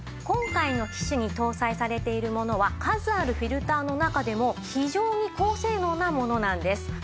今回の機種に搭載されているものは数あるフィルターの中でも非常に高性能なものなんです。